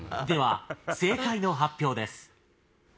では正解の発表です。